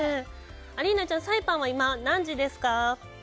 アリーナちゃん、サイパンは今何時ですか？